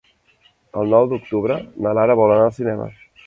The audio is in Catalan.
El nou d'octubre na Lara vol anar al cinema.